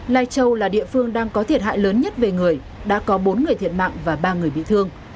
lai châu là địa phương đang có thiệt hại lớn nhất về người đã có bốn người thiệt mạng và ba người bị thương